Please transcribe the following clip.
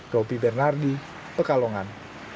ropi bernardi pekalongan